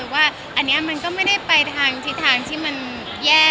ว่าอันนี้มันก็ไม่ได้ไปทางทิศทางที่มันแย่